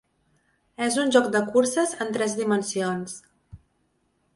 És un joc de curses en tres dimensions.